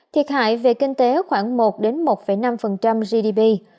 thiệt hại về kinh tế khoảng một một năm gdp